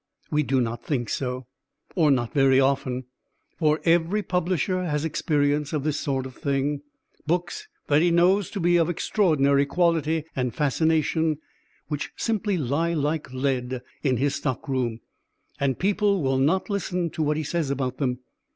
We do not think so or not very often. For every publisher has experience of this sort of thing books that he knows to be of extraordinary quality and fascination which simply lie like lead in his stockroom, and people will not listen to what he says about them.